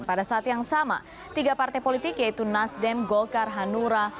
pada saat yang sama tiga partai politik yaitu nasdem golkar hanura